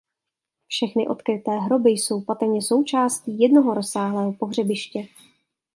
Všechny odkryté hroby jsou patrně součástí jednoho rozsáhlého pohřebiště.